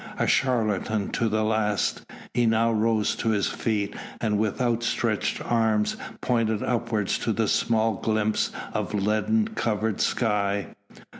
A charlatan to the last, he now rose to his feet and with outstretched arm pointed upwards to the small glimpse of leaden covered sky.